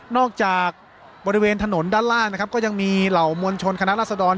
จากบริเวณถนนด้านล่างนะครับก็ยังมีเหล่ามวลชนคณะรัศดร